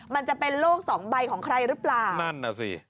มันจะเป็นโลกสองใบของใครหรือเปล่านั่นน่ะสิ